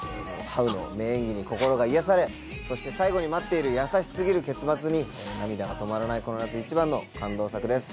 ハウの名演技に心が癒やされそして最後に待っている優し過ぎる結末に涙が止まらないこの夏一番の感動作です。